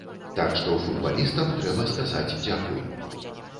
Так што футбалістам трэба сказаць дзякуй.